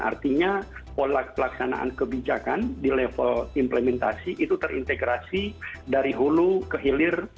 artinya pola pelaksanaan kebijakan di level implementasi itu terintegrasi dari hulu ke hilir